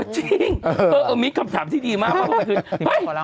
จริงมีคำถามที่ดีมากค่ะ